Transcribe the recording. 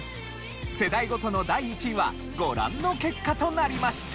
世代ごとの第１位はご覧の結果となりました。